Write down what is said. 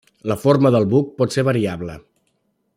La forma del buc pot ser variable.